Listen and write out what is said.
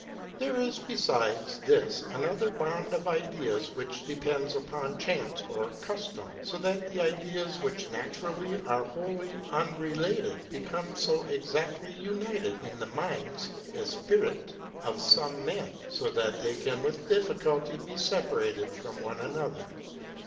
There is 28 LEIBNITZ'S CRITIQUE OF LOCKE [in besides this another bond of ideas which depends upon chance or custom, so that the ideas which naturally are wholly unre lated become so exactly united in the minds (esprit l ) of some men, that they can with difficulty be separated from one another.